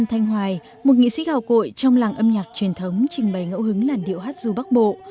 thanh hoài một nghệ sĩ gạo cội trong làng âm nhạc truyền thống trình bày ngẫu hứng làn điệu hát ru bắc bộ